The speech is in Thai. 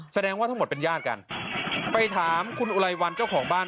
แสดงว่าทั้งหมดเป็นญาติกันไปถามคุณอุไลวันเจ้าของบ้าน